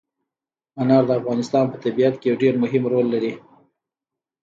انار د افغانستان په طبیعت کې یو ډېر مهم رول لري.